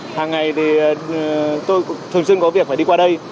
hàng ngày thì tôi thường xuyên có việc phải đi qua đây